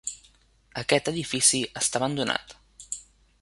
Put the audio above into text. Aquest edifici està abandonat.